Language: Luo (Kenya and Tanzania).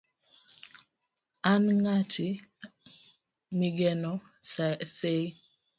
an ng'ati migeno sei